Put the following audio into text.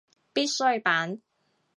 必需品